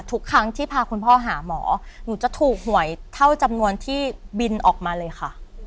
ทุกครั้งที่พาคุณพ่อหาหมอหนูจะถูกหวยเท่าจำนวนที่บินออกมาเลยค่ะ